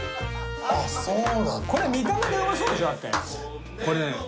これ見た目でうまそうでしょだってこれねえ！